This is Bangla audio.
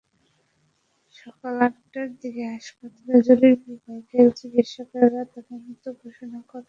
সকাল আটটার দিকে হাসপাতালের জরুরি বিভাগের চিকিৎসকেরা তাঁকে মৃত ঘোষণা করেন।